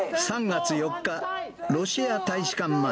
３月４日、ロシア大使館前。